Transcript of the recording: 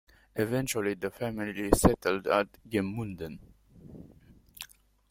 Eventually the family settled at Gmunden.